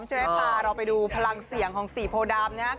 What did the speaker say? พร้อมจะได้ป่าเราไปดูพลังเสียงของสีโพลดำนะครับ